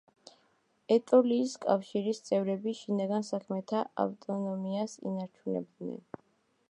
ეტოლიის კავშირის წევრები შინაგან საქმეებში ავტონომიას ინარჩუნებდნენ.